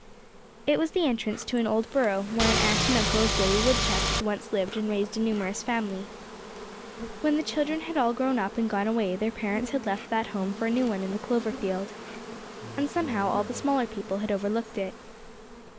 It was the entrance to an old burrow where an aunt and an uncle of Billy Woodchuck had once lived and raised a numerous family. When the children had all grown up and gone away their parents had left that home for a new one in the clover field. And somehow all the smaller field people had overlooked it.